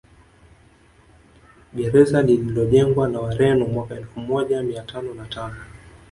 Gereza lililojengwa na Wareno mwaka elfu moja mia tano na tano